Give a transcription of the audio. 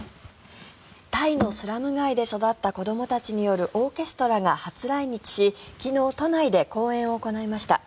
タイのスラム街で育った子どもたちによるオーケストラが初来日し昨日、都内で公演を行いました。